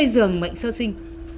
chín mươi giường bệnh sơ sinh